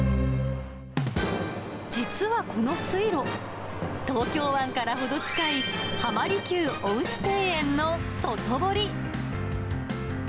実はこの水路、東京湾から程近い、浜離宮恩賜庭園の外堀。